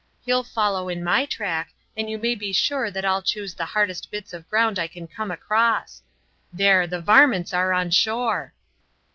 He'll follow in my track, and you may be sure that I'll choose the hardest bits of ground I can come across. There, the varmints are on shore!"